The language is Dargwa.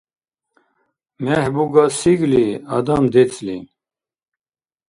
Мегь буга сигли, адам — децӀли.